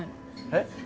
えっ？